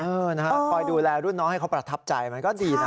นะฮะคอยดูแลรุ่นน้องให้เขาประทับใจมันก็ดีนะ